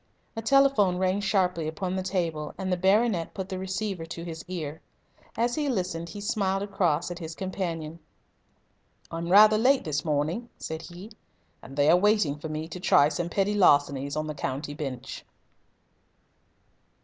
A telephone rang sharply upon the table, and the baronet put the receiver to his ear. As he listened he smiled across at his companion. "I'm rather late this morning," said he, "and they are waiting for me to try some petty larcenies on the county bench."